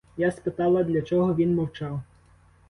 Я спитала для чого — він мовчав.